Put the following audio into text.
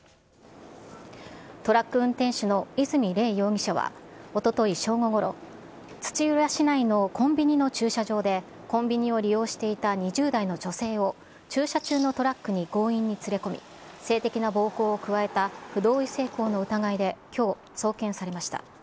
トラック運転手の和泉礼維容疑者はおととい正午ごろ、土浦市内のコンビニの駐車場でコンビニを利用していた２０代の女性を駐車中のトラックに強引に連れ込み、性的な暴行を加えた不同意性交の疑いで、きょう、送検されました。